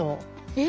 え？